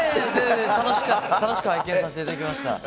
楽しく拝見させていただきました。